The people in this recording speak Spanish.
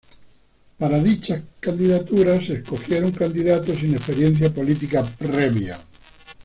Para dichas, candidaturas se escogieron candidatos sin experiencia política previa.